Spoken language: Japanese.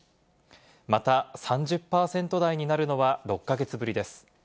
また、３０％台になるのは６か月ぶりです。